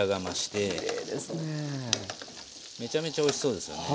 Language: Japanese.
めちゃめちゃおいしそうですよね。